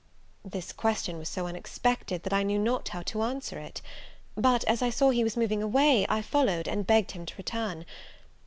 This question was so unexpected, that I knew not how to answer it; but, as I saw he was moving away, I followed, and begged him to return.